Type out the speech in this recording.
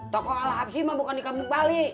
toko alhapsi mah bukan di kampung bali